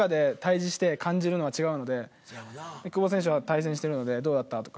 久保選手は対戦してるので「どうだった？」とか。